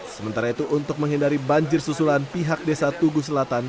sementara itu untuk menghindari banjir susulan pihak desa tugu selatan